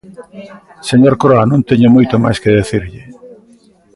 Señor Croa, non teño moito máis que dicirlle.